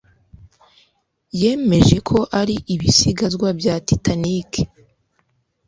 yemeje ko ari ibisigazwa bya titanic